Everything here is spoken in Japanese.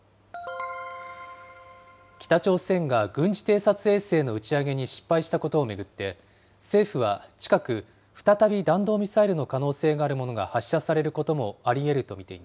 北朝鮮が軍事偵察衛星の打ち上げに失敗したことを巡って、政府は近く、再び弾道ミサイルの可能性があるものが発射されることもありえる